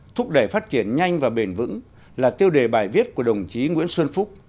thúc đẩy phát triển nhanh và bền vững là tiêu đề bài viết của đồng chí nguyễn xuân phúc